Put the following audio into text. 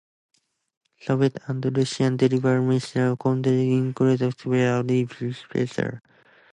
Soviet- and Russian-derived military doctrines include squad-level snipers.